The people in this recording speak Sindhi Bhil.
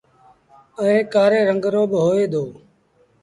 ائيٚݩ ڪآري رنگ رو با هوئي دو۔